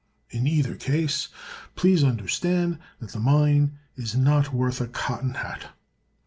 In either case, please understand that the mine is not worth a cotton hat.